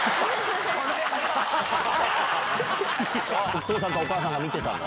お父さんとお母さんが見てたの？